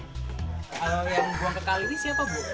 kalau yang buang ke kali ini siapa bu